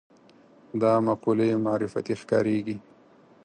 دا مقولې معرفتي ښکارېږي